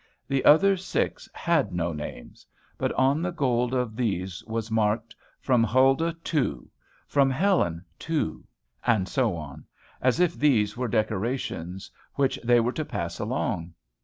The other six had no names; but on the gold of these was marked, "From Huldah, to " "From Helen, to " and so on, as if these were decorations which they were to pass along.